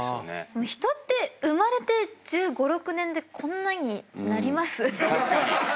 人って生まれて１５１６年でこんなになります？